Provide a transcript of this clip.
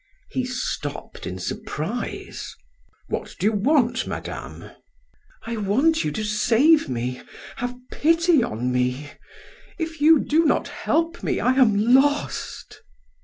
He stopped in surprise. "What do you want, Madame?" "I want you to save me. Have pity on me. If you do not help me, I am lost!"